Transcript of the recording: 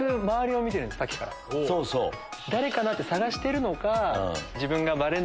誰かな？って探してるのか。